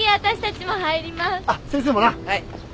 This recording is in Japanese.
はい。